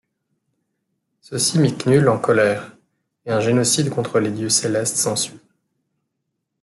Ceci mit Knull en colère et un génocide contre les dieux Célestes s'ensuit.